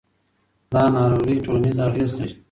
دا ناروغي ټولنیز اغېز لري.